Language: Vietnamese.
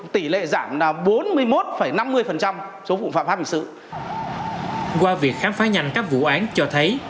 tỷ lệ giảm bốn mươi một năm mươi số vụ phạm pháp hình sự qua việc khám phá nhanh các vụ án cho thấy